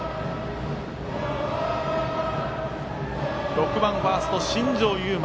６番ファースト、新城雄麻。